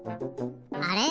あれ？